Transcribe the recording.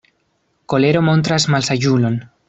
Kolero montras malsaĝulon.